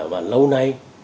và lâu nay